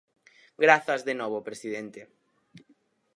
Grazas de novo presidente.